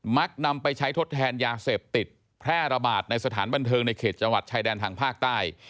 ักนำไปใช้ทดแทนยาเสพติดแพร่ระบาดในสถานบันเทิงในเขตจังหวัดชายแดนทางภาคใต้